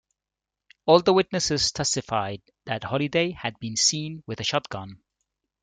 All the witnesses testified that Holliday had been seen with a shotgun.